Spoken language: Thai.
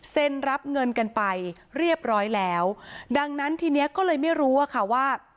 รับเงินกันไปเรียบร้อยแล้วดังนั้นทีนี้ก็เลยไม่รู้อะค่ะว่า